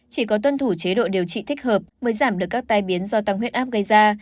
chỉ có tuân thủ chế độ điều trị thích hợp mới giảm được các tai biến do tăng huyết áp gây ra